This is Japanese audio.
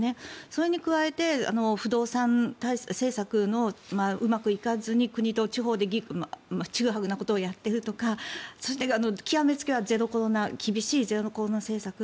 それに加えて不動産政策がうまくいかずに国と地方でちぐはぐなことをやっているとか極めつきは厳しいゼロコロナ政策。